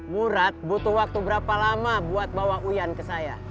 murat butuh waktu berapa lama buat bawa uyan ke saya